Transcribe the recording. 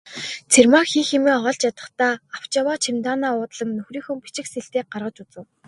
Цэрмаа хийх юмаа олж ядахдаа авч яваа чемоданаа уудлан нөхрийнхөө бичиг сэлтийг гаргаж үзэв.